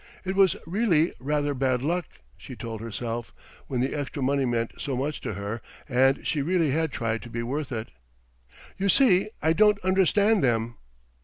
It was really rather bad luck, she told herself, when the extra money meant so much to her, and she really had tried to be worth it. "You see, I don't understand them."